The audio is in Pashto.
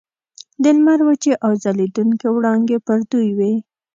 د لمر وچې او ځلیدونکي وړانګې پر دوی وې.